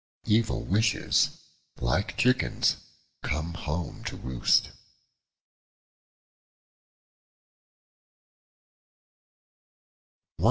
Evil wishes, like chickens, come home to roost.